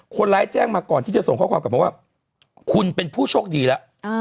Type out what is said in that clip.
คนร้ายแจ้งมาก่อนที่จะส่งข้อความกลับมาว่าคุณเป็นผู้โชคดีแล้ว